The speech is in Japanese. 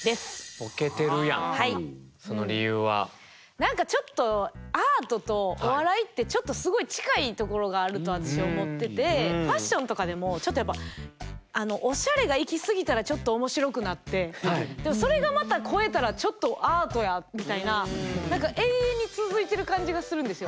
何かちょっとアートとお笑いってすごい近いところがあると私思っててファッションとかでもちょっとやっぱおしゃれがいきすぎたらちょっと面白くなってそれがまた越えたらちょっとアートやみたいな何か永遠に続いてる感じがするんですよ。